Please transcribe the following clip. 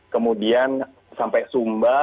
kemudian sampai sumba